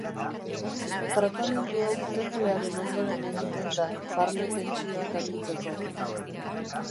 Tratamendu hau tenplearen ondoren egiten da barne tentsioak arintzeko.